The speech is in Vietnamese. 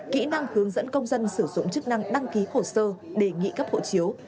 kỹ năng hướng dẫn công dân sử dụng chức năng đăng ký hồ sơ đề nghị gấp hội chiếu